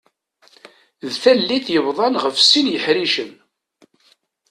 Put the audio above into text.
D tallit yebḍan ɣef sin yiḥricen.